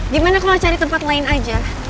gimana kalau cari tempat lain aja